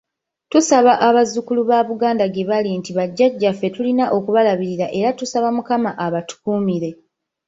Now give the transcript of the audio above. Tusaba abazzukulu ba Buganda gyebali nti bajjaja ffe tulina okubalabirira era tusaba Mukama abatukuumire.